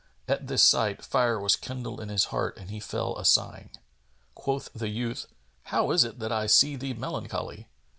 At this sight, fire was kindled in his heart and he fell asighing. Quoth the youth, "How is it that I see thee melancholy?"